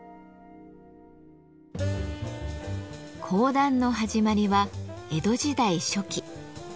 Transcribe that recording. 講談の始まりは江戸時代初期。